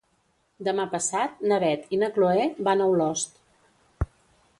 Demà passat na Beth i na Chloé van a Olost.